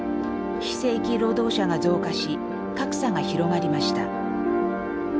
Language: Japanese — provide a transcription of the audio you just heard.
非正規労働者が増加し格差が広がりました。